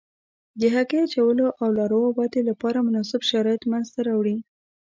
د هګۍ اچولو او لاروا ودې لپاره مناسب شرایط منځته راوړي.